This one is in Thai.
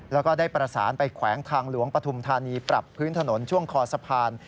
แล้วก็ได้ประสานไปแขวงทางหลวงปฐุมธานีปรับพื้นถนนช่วงคอสะพาน